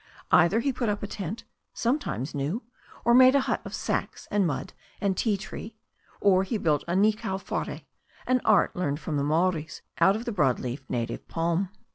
Either he put up a tent, sometimes new, or made a hut of sacks and mud and ti tree, or he built a nikau whare, an art learned from the Maoris, out of the broad leafed native palm.